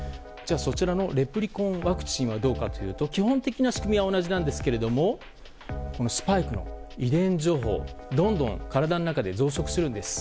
レプリコンワクチンはどうかというと基本的な仕組みは同じなんですけれどもスパイクが遺伝情報をどんどん体の中で増殖するんです。